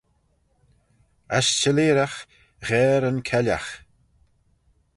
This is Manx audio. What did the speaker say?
As çhelleeragh gherr yn kellagh.